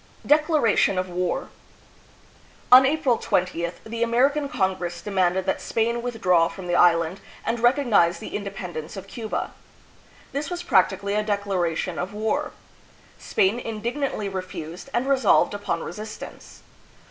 Declaration of War. On April 20th the American Congress demanded that Spain withdraw from the island and recognize the independence of Cuba. This was prac tically a declaration of war. Spain indignantly refused, and resolved upon resistance.